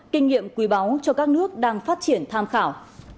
kinh nghiệm quý báu cho các nước đang phát triển tham khảo